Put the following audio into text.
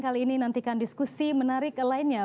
kali ini nantikan diskusi menarik lainnya